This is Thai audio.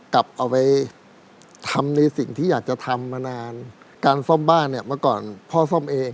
กลับไปทำในสิ่งที่อยากจะทำมานานการซ่อมบ้านเนี่ยเมื่อก่อนพ่อซ่อมเอง